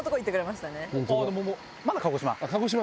まだ鹿児島。